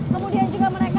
kemudian juga mereka